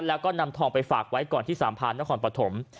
แล้วก็นำทองไปฝากไว้ก่อนที่สามพานนครปฐม